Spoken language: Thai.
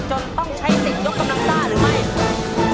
จนต้องใช้สินยกกำลังกล้าหรือไม่